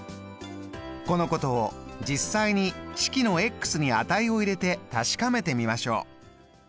このことを実際に式のに値を入れて確かめてみましょう。